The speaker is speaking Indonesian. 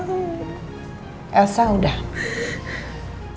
tolong kamu kasih ruang buat nino